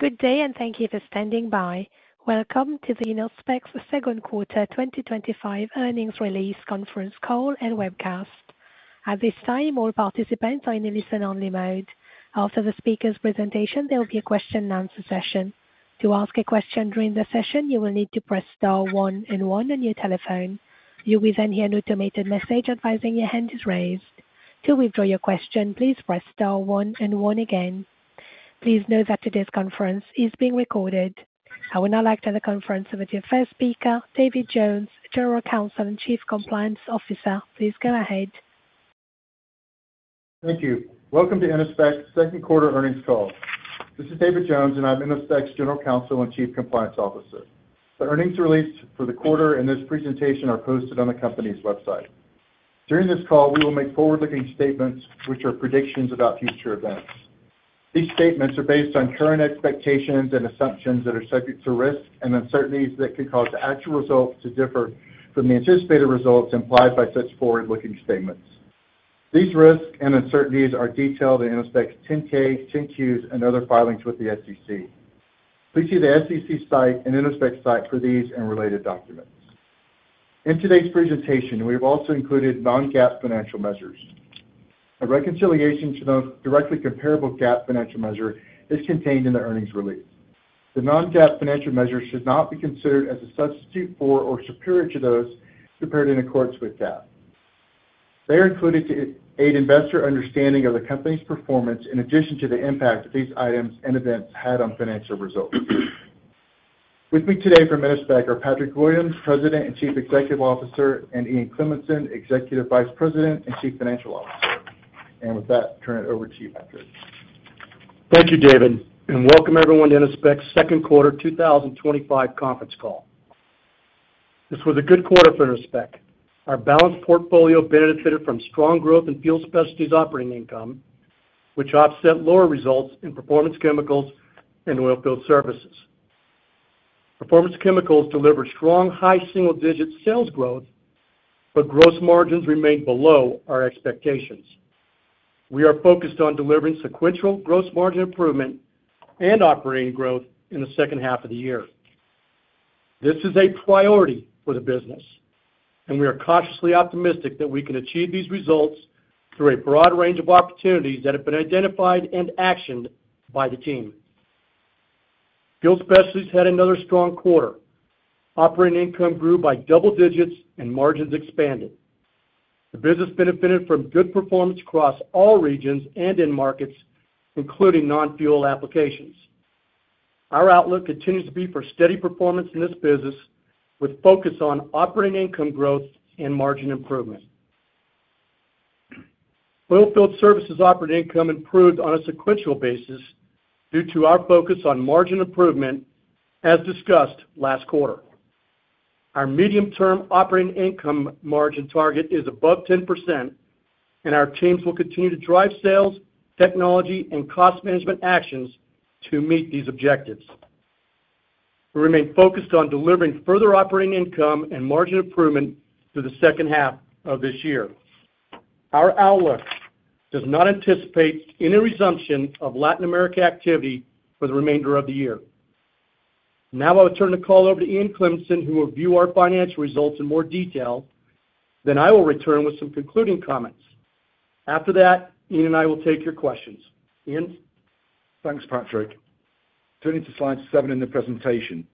Good day and thank you for standing by. Welcome to Innospec's Second Quarter 2025 Earnings Release Conference Call and Webcast. At this time, all participants are in a listen-only mode. After the speaker's presentation, there will be a question-and-answer session. To ask a question during the session, you will need to press star one and one on your telephone. You will then hear an automated message advising your hand is raised. To withdraw your question, please press star one and one again. Please note that today's conference is being recorded. I would now like to have the conference with our first speaker, David Jones, General Counsel and Chief Compliance Officer. Please go ahead. Thank you. Welcome to Innospec's Second Quarter Earnings Call. This is David Jones, and I'm Innospec's General Counsel and Chief Compliance Officer. The earnings release for the quarter and this presentation are posted on the company's website. During this call, we will make forward-looking statements, which are predictions about future events. These statements are based on current expectations and assumptions that are subject to risk and uncertainties that can cause the actual result to differ from the anticipated results implied by such forward-looking statements. These risks and uncertainties are detailed in Innospec's 10-K, 10-Qs, and other filings with the SEC. Please see the SEC site and Innospec's site for these and related documents. In today's presentation, we have also included non-GAAP financial measures. A reconciliation to those directly comparable GAAP financial measures is contained in the earnings release. The non-GAAP financial measures should not be considered as a substitute for or superior to those compared in accordance with GAAP. They are included to aid investor understanding of the company's performance in addition to the impact that these items and events had on financial results. With me today from Innospec are Patrick Williams, President and Chief Executive Officer, and Ian Cleminson, Executive Vice President and Chief Financial Officer. I turn it over to you, Patrick. Thank you, David, and welcome everyone to Innospec's Second Quarter 2025 Conference Call. This was a good quarter for Innospec. Our balanced portfolio benefited from strong growth in Fuel Specialties operating income, which offset lower results in Performance Chemicals and Oilfield Services. Performance Chemicals delivered strong high single-digit sales growth, but gross margins remained below our expectations. We are focused on delivering sequential gross margin improvement and operating growth in the second half of the year. This is a priority for the business, and we are cautiously optimistic that we can achieve these results through a broad range of opportunities that have been identified and actioned by the team. Fuel Specialties had another strong quarter. Operating income grew by double digits and margins expanded. The business benefited from good performance across all regions and in markets, including non-fuel applications. Our outlook continues to be for steady performance in this business, with focus on operating income growth and margin improvement. Oilfield Services operating income improved on a sequential basis due to our focus on margin improvement, as discussed last quarter. Our medium-term operating income margin target is above 10%, and our teams will continue to drive sales, technology, and cost management actions to meet these objectives. We remain focused on delivering further operating income and margin improvement through the second half of this year. Our outlook does not anticipate any resumption of Latin America activity for the remainder of the year. Now I'll turn the call over to Ian Cleminson, who will view our financial results in more detail. Then I will return with some concluding comments. After that, Ian and I will take your questions. Ian? Thanks, Patrick. Turning to slide seven in the presentation,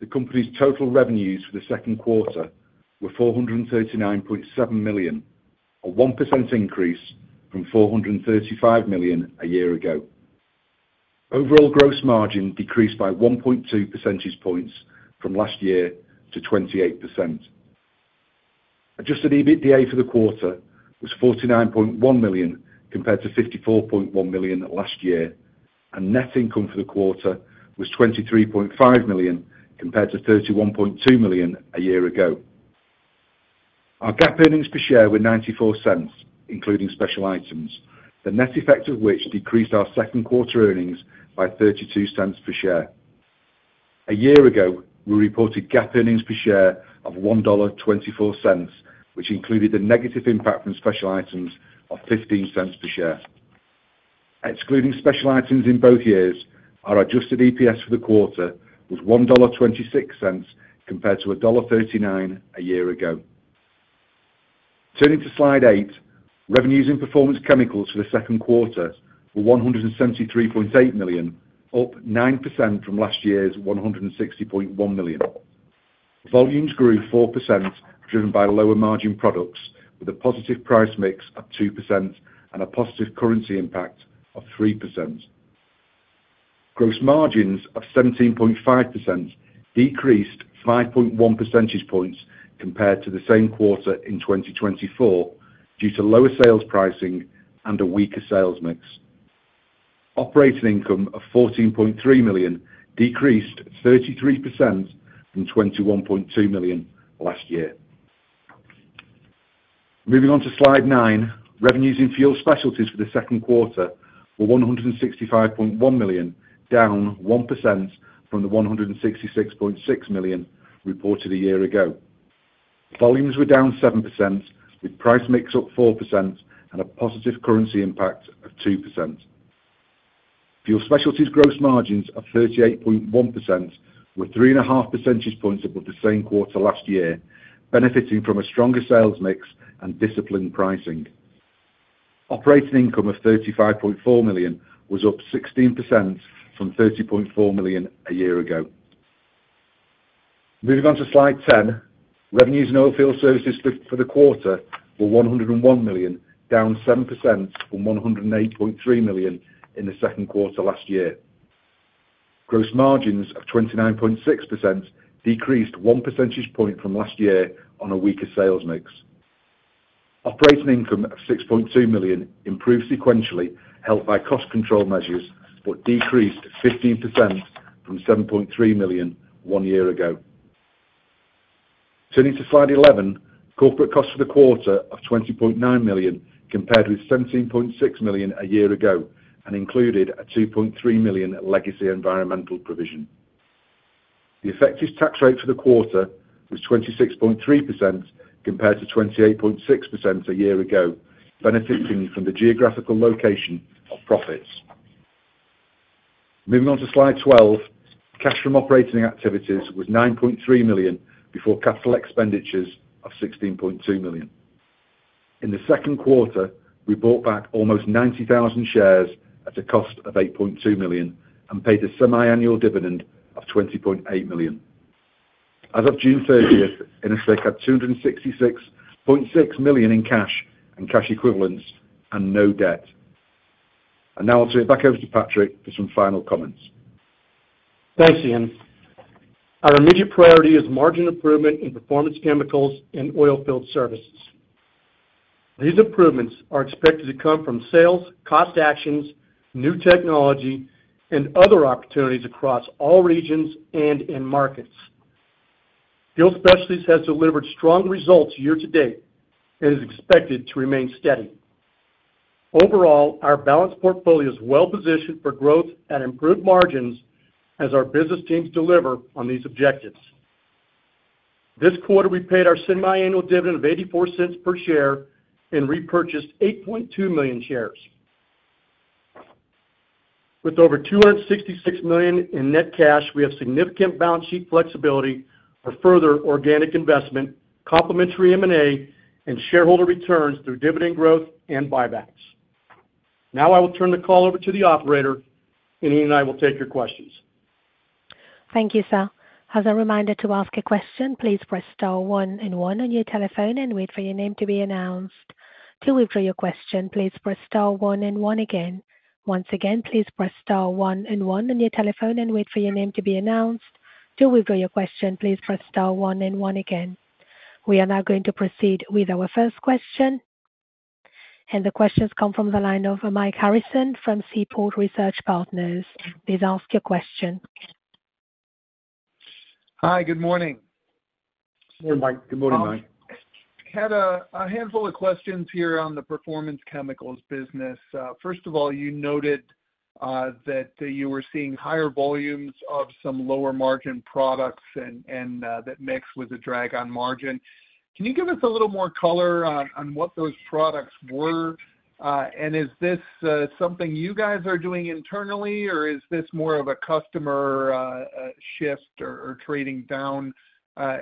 the company's total revenues for the second quarter were $439.7 million, a 1% increase from $435 million a year ago. Overall gross margin decreased by 1.2 percentage points from last year to 28%. Adjusted EBITDA for the quarter was $49.1 million compared to $54.1 million last year, and net income for the quarter was $23.5 million compared to $31.2 million a year ago. Our GAAP earnings per share were $0.94, including special items, the net effect of which decreased our second quarter earnings by $0.32 per share. A year ago, we reported GAAP earnings per share of $1.24, which included the negative impact from special items of $0.15 per share. Excluding special items in both years, our adjusted EPS for the quarter was $1.26 compared to $1.39 a year ago. Turning to slide eight, revenues in Performance Chemicals for the second quarter were $173.8 million, up 9% from last year's $160.1 million. Volumes grew 4%, driven by lower margin products, with a positive price mix of 2% and a positive currency impact of 3%. Gross margins of 17.5% decreased 5.1 percentage points compared to the same quarter in 2023 due to lower sales pricing and a weaker sales mix. Operating income of $14.3 million decreased 33% from $21.2 million last year. Moving on to slide nine, revenues in Fuel Specialties for the second quarter were $165.1 million, down 1% from the $166.6 million reported a year ago. Volumes were down 7%, with price mix up 4% and a positive currency impact of 2%. Fuel Specialties' gross margins of 38.1% were 3.5 percentage points above the same quarter last year, benefiting from a stronger sales mix and disciplined pricing. Operating income of $35.4 million was up 16% from $30.4 million a year ago. Moving on to slide ten, revenues in Oilfield Services for the quarter were $101 million, down 7% from $108.3 million in the second quarter last year. Gross margins of 29.6% decreased 1 percentage point from last year on a weaker sales mix. Operating income of $6.2 million improved sequentially, helped by cost control measures, but decreased 15% from $7.3 million one year ago. Turning to slide eleven, corporate costs for the quarter of $20.9 million compared with $17.6 million a year ago and included a $2.3 million legacy environmental provision. The effective tax rate for the quarter was 26.3% compared to 28.6% a year ago, benefiting from the geographical location of profits. Moving on to slide twelve, cash from operating activities was $9.3 million before capital expenditures of $16.2 million. In the second quarter, we bought back almost 90,000 shares at a cost of $8.2 million and paid a semi-annual dividend of $20.8 million. As of June 30th, Innospec had $266.6 million in cash and cash equivalents and no debt. Now I'll turn it back over to Patrick for some final comments. Thanks, Ian. Our immediate priority is margin improvement in Performance Chemicals and Oilfield Services. These improvements are expected to come from sales, cost actions, new technology, and other opportunities across all regions and in markets. Fuel Specialties has delivered strong results year to date and is expected to remain steady. Overall, our balanced portfolio is well positioned for growth and improved margins as our business teams deliver on these objectives. This quarter, we paid our semi-annual dividend of $0.84 per share and repurchased 8.2 million shares. With over $266 million in net cash, we have significant balance sheet flexibility for further organic investment, complimentary M&A, and shareholder returns through dividend growth and buybacks. Now I will turn the call over to the operator, and Ian and I will take your questions. Thank you, Sal. As a reminder to ask a question, please press star one and one on your telephone and wait for your name to be announced. To withdraw your question, please press star one and one again. Once again, please press star one and one on your telephone and wait for your name to be announced. To withdraw your question, please press star one and one again. We are now going to proceed with our first question. The questions come from the line of Mike Harrison from Seaport Research Partners. Please ask your question. Hi, good morning. Good morning, Mike. I had a handful of questions here on the Performance Chemicals business. First of all, you noted that you were seeing higher volumes of some lower margin products, and that mixed with a drag on margin. Can you give us a little more color on what those products were? Is this something you guys are doing internally, or is this more of a customer shift or trading down? I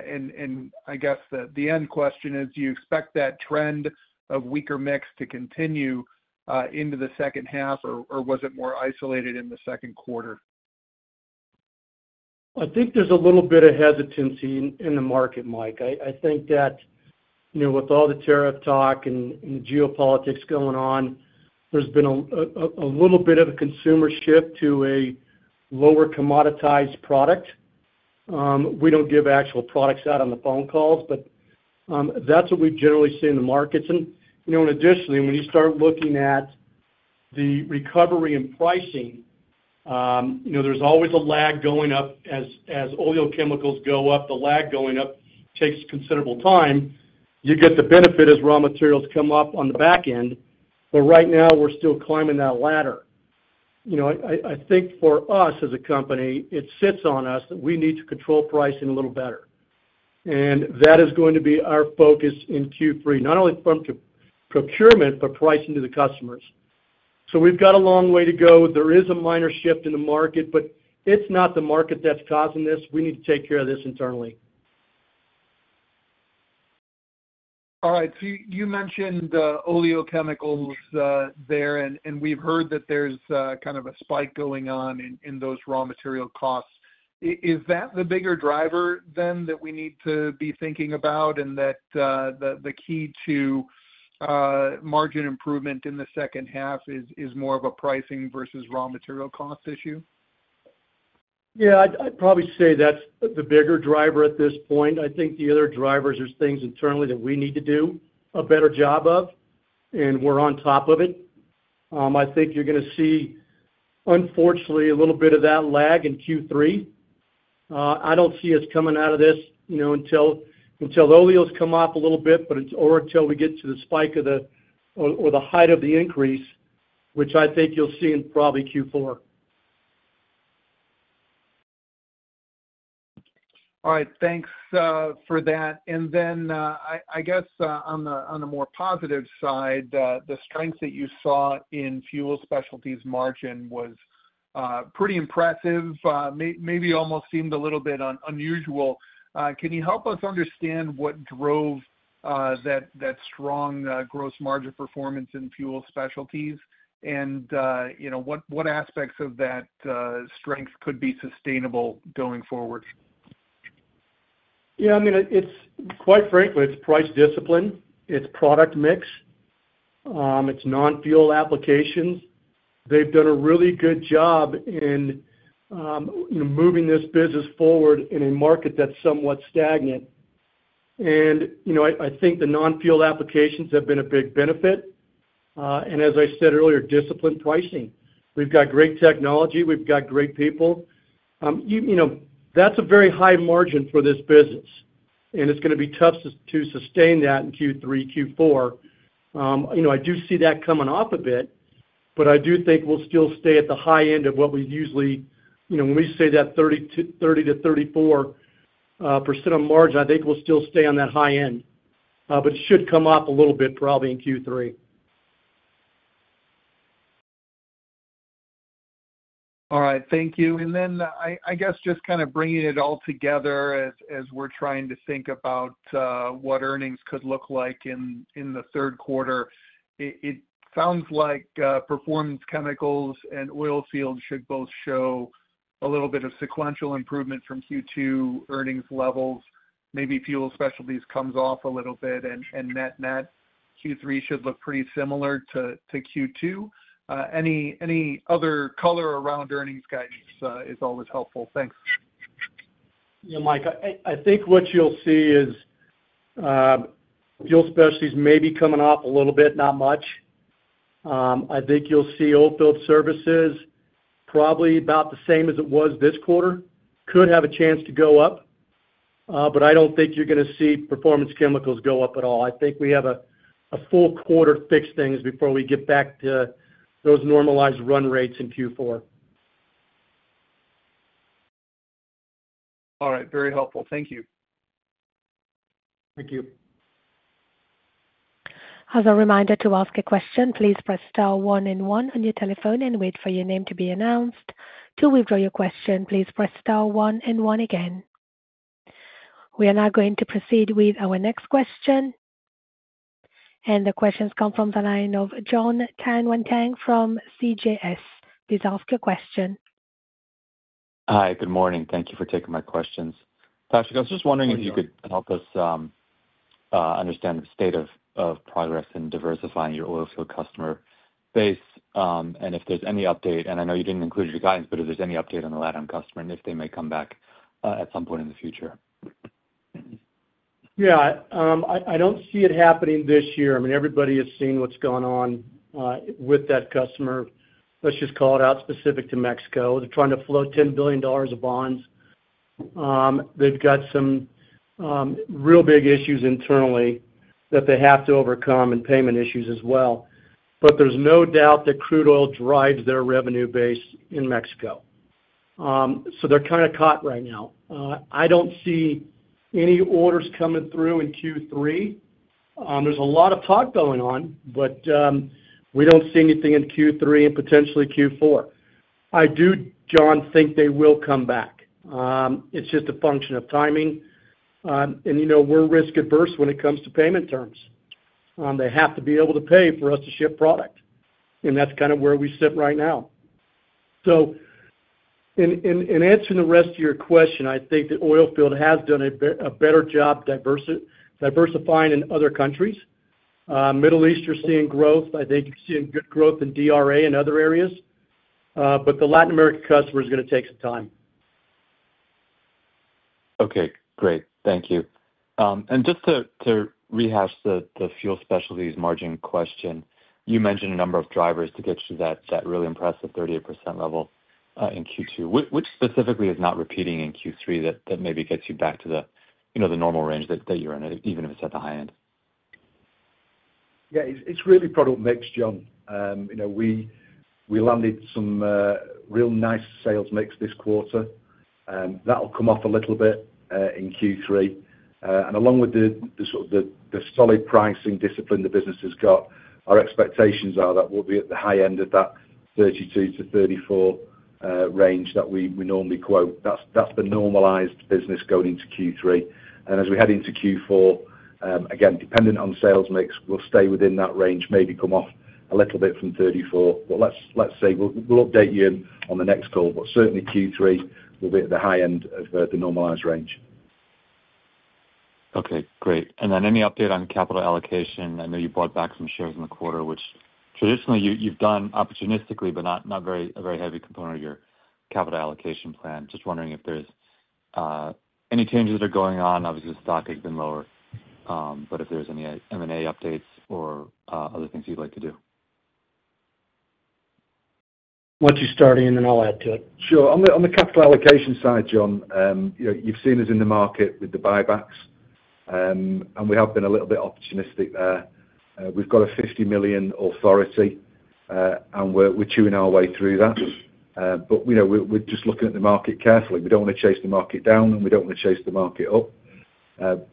guess the end question is, do you expect that trend of weaker mix to continue into the second half, or was it more isolated in the second quarter? I think there's a little bit of hesitancy in the market, Mike. I think that, you know, with all the tariff talk and the geopolitics going on, there's been a little bit of a consumer shift to a lower commoditized product. We don't give actual products out on the phone calls, but that's what we've generally seen in the markets. Additionally, when you start looking at the recovery in pricing, there's always a lag going up. As oil chemicals go up, the lag going up takes considerable time. You get the benefit as raw materials come up on the back end. Right now, we're still climbing that ladder. I think for us as a company, it sits on us that we need to control pricing a little better. That is going to be our focus in Q3, not only from procurement, but pricing to the customers. We've got a long way to go. There is a minor shift in the market, but it's not the market that's causing this. We need to take care of this internally. All right. You mentioned the oil chemicals there, and we've heard that there's kind of a spike going on in those raw material costs. Is that the bigger driver then that we need to be thinking about and that the key to margin improvement in the second half is more of a pricing versus raw material cost issue? Yeah, I'd probably say that's the bigger driver at this point. I think the other drivers are things internally that we need to do a better job of, and we're on top of it. I think you're going to see, unfortunately, a little bit of that lag in Q3. I don't see us coming out of this until oil has come off a little bit, or until we get to the spike or the height of the increase, which I think you'll see in probably Q4. All right. Thanks for that. I guess on the more positive side, the strength that you saw in Fuel Specialties margin was pretty impressive. Maybe almost seemed a little bit unusual. Can you help us understand what drove that strong gross margin performance in Fuel Specialties, and what aspects of that strength could be sustainable going forward? Yeah, I mean, quite frankly, it's price discipline. It's product mix. It's non-fuel applications. They've done a really good job in moving this business forward in a market that's somewhat stagnant. I think the non-fuel applications have been a big benefit. As I said earlier, discipline pricing. We've got great technology. We've got great people. That's a very high margin for this business, and it's going to be tough to sustain that in Q3, Q4. I do see that coming off a bit, but I do think we'll still stay at the high end of what we usually, you know, when we say that 30%-34% on margin, I think we'll still stay on that high end. It should come up a little bit probably in Q3. All right. Thank you. I guess just kind of bringing it all together as we're trying to think about what earnings could look like in the third quarter, it sounds like Performance Chemicals and Oilfield Services should both show a little bit of sequential improvement from Q2 earnings levels. Maybe Fuel Specialties comes off a little bit, and net net Q3 should look pretty similar to Q2. Any other color around earnings guidance is always helpful. Thanks. Yeah, Mike, I think what you'll see is Fuel Specialties may be coming off a little bit, not much. I think you'll see Oilfield Services probably about the same as it was this quarter, could have a chance to go up. I don't think you're going to see Performance Chemicals go up at all. I think we have a full quarter to fix things before we get back to those normalized run rates in Q4. All right. Very helpful. Thank you. Thank you. As a reminder to ask a question, please press star one and one on your telephone and wait for your name to be announced. To withdraw your question, please press star one and one again. We are now going to proceed with our next question. The questions come from the line of Jon Tanwanteng from CJS Securities. Please ask your question. Hi, good morning. Thank you for taking my questions. Patrick, I was just wondering if you could help us understand the state of progress in diversifying your Oilfield Services customer base. If there's any update, I know you didn't include your guidance, but if there's any update on the latitude on customer and if they may come back at some point in the future. Yeah, I don't see it happening this year. I mean, everybody is seeing what's going on with that customer. Let's just call it out specific to Mexico. They're trying to float $10 billion of bonds. They've got some real big issues internally that they have to overcome and payment issues as well. There's no doubt that crude oil drives their revenue base in Mexico. They're kind of caught right now. I don't see any orders coming through in Q3. There's a lot of talk going on, but we don't see anything in Q3 and potentially Q4. I do, Jon, think they will come back. It's just a function of timing. You know we're risk-averse when it comes to payment terms. They have to be able to pay for us to ship product. That's kind of where we sit right now. In answering the rest of your question, I think the Oilfield Services segment has done a better job diversifying in other countries. Middle East, you're seeing growth. I think you're seeing good growth in DRA and other areas. The Latin American customer is going to take some time. Okay, great. Thank you. Just to rehash the Fuel Specialties margin question, you mentioned a number of drivers to get you to that really impressive 38% level in Q2. Which specifically is not repeating in Q3 that maybe gets you back to the normal range that you're in, even if it's at the high end? Yeah, it's really product mix, Jon. You know we landed some real nice sales mix this quarter. That'll come off a little bit in Q3. Along with the sort of the solid pricing discipline the business has got, our expectations are that we'll be at the high end of that 32%-34% range that we normally quote. That's the normalized business going into Q3. As we head into Q4, again, dependent on sales mix, we'll stay within that range, maybe come off a little bit from 34%. Let's say we'll update you on the next call, but certainly Q3 will be at the high end of the normalized range. Okay, great. Any update on capital allocation? I know you bought back some shares in the quarter, which traditionally you've done opportunistically, but not a very heavy component of your capital allocation plan. I'm just wondering if there's any changes that are going on. Obviously, the stock has been lower, but if there's any M&A updates or other things you'd like to do. Once you start, Ian, then I'll add to it. Sure. On the capital allocation side, Jon, you've seen us in the market with the buybacks, and we have been a little bit opportunistic there. We've got a $50 million authority, and we're chewing our way through that. We're just looking at the market carefully. We don't want to chase the market down, and we don't want to chase the market up.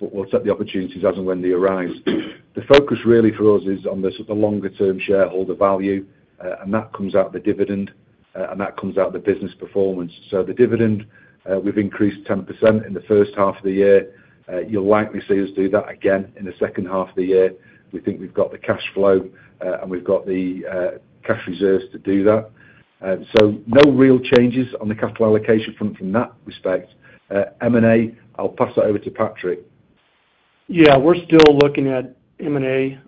We'll take the opportunities as and when they arise. The focus really for us is on the sort of longer-term shareholder value, and that comes out of the dividend, and that comes out of the business performance. The dividend, we've increased 10% in the first half of the year. You'll likely see us do that again in the second half of the year. We think we've got the cash flow, and we've got the cash reserves to do that. No real changes on the capital allocation front from that respect. M&A, I'll pass that over to Patrick. Yeah, we're still looking at M&A.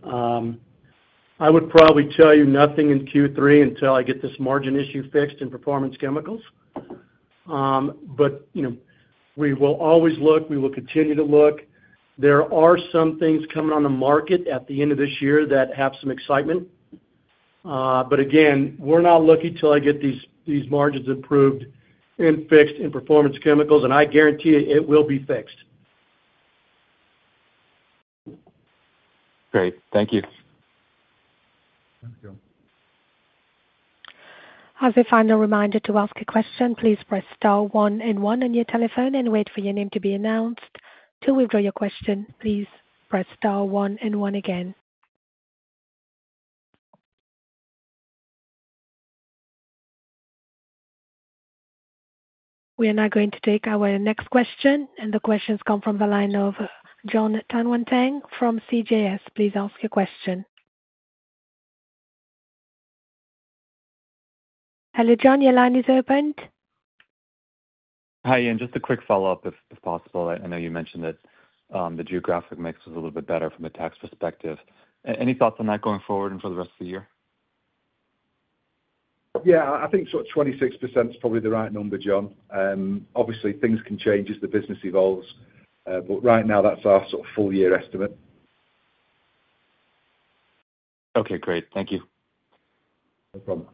I would probably tell you nothing in Q3 until I get this margin issue fixed in Performance Chemicals. You know we will always look. We will continue to look. There are some things coming on the market at the end of this year that have some excitement. Again, we're not looking until I get these margins approved and fixed in Performance Chemicals, and I guarantee it will be fixed. Great. Thank you. As a final reminder to ask a question, please press star one and one on your telephone and wait for your name to be announced. To withdraw your question, please press star one and one again. We are now going to take our next question, and the questions come from the line of Jon Tanwanteng from CJS. Please ask your question. Hello, Jon. Your line is opened. Hi, Ian. Just a quick follow-up if possible. I know you mentioned that the geographic mix was a little bit better from a tax perspective. Any thoughts on that going forward and for the rest of the year? Yeah, I think 26% is probably the right number, Jon. Obviously, things can change as the business evolves, but right now, that's our sort of full-year estimate. Okay, great. Thank you. No problem.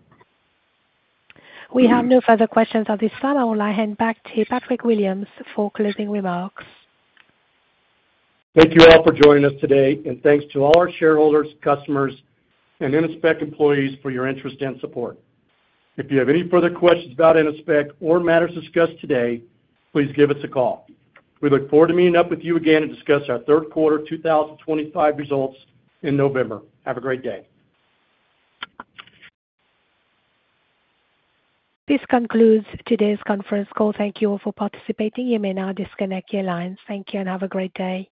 We have no further questions at this time. I will now hand back to Patrick Williams for closing remarks. Thank you, Ann, for joining us today, and thanks to all our shareholders, customers, and Innospec employees for your interest and support. If you have any further questions about Innospec or matters discussed today, please give us a call. We look forward to meeting up with you again to discuss our Third Quarter 2025 Results in November. Have a great day. This concludes today's conference call. Thank you all for participating. You may now disconnect your lines. Thank you and have a great day.